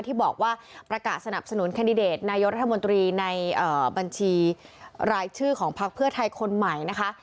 ที่บอกว่าประกาศสนับสนุนแคนดิเดตนายกรัฐมนตรีในบัญชีรายชื่อของพักเพื่อไทยคนใหม่นะคะ